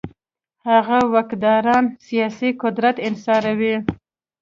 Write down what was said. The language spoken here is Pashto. هغه واکداران سیاسي قدرت انحصاروي.